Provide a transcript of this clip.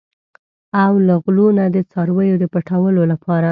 او له غلو نه د څارویو د پټولو لپاره.